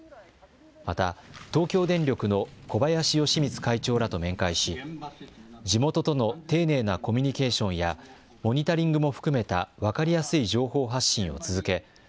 また、東京電力の小林喜光会長らと面会し地元との丁寧なコミュニケーションやモニタリングも含めた分かりやすい情報発信を続け